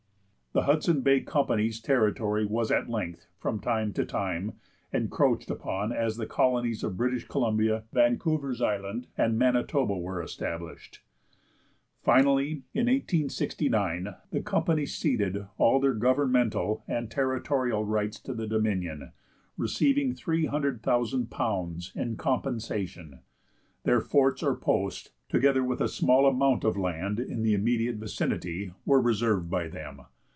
The Hudson Bay Company's territory was at length, from time to time, encroached upon as the colonies of British Columbia, Vancouver's Island, and Manitoba were established. Finally, in 1869, the Company ceded all their governmental and territorial rights to the Dominion, receiving £300,000 in compensation. Their forts or posts, together with a small amount of land in the immediate vicinity, were reserved by them.